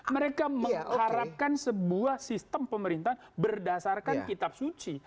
mereka mengharapkan sebuah sistem pemerintahan berdasarkan kitab suci